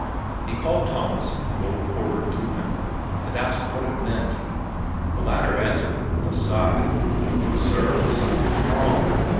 He called Thomas, the old porter, to him and asked what it meant. The latter answered with a sigh, "Sir, something is wrong!